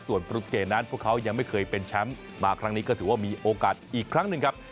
ส่วนปรุเกตนั้นพวกเขายังไม่เคยเป็นแชมป์มาครั้งนี้ก็ถือว่ามีโอกาสอีกครั้งหนึ่งครับ